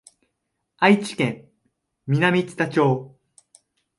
愛知県南知多町